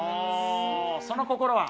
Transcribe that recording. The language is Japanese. その心は？